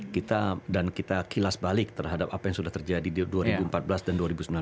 kita dan kita kilas balik terhadap apa yang sudah terjadi di dua ribu empat belas dan dua ribu sembilan belas